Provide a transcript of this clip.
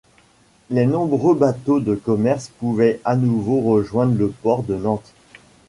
Les nombreux bateaux de commerce pouvaient à nouveau rejoindre le port de Nantes.